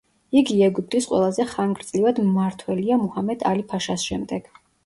იგი ეგვიპტის ყველაზე ხანგრძლივად მმართველია მუჰამედ ალი ფაშას შემდეგ.